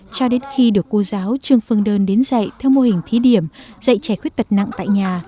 cho đến khi được cô giáo trương phương đơn đến dạy theo mô hình thí điểm dạy trẻ khuyết tật nặng tại nhà